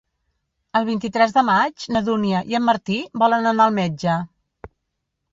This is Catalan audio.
El vint-i-tres de maig na Dúnia i en Martí volen anar al metge.